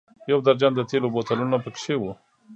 یو درجن د تېلو بوتلونه په کې و.